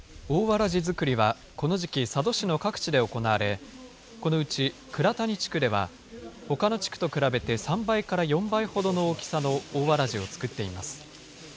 大わらじ作りはこの時期、佐渡市の各地で行われ、このうち倉谷地区ではほかの地区と比べて３倍から４倍ほどの大きさの大わらじを作っています。